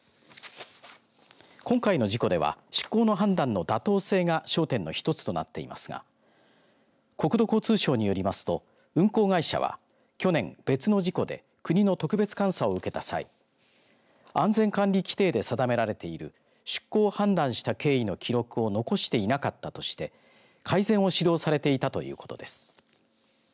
今回の事故では出航の判断の妥当性が焦点の一つとなっていますが国土交通省によりますと運航会社は去年、別の事故で国の特別監査を受けた際安全管理規程で定められている出航を判断した経緯の記録を残していなかったとして改善を指導されていたということです。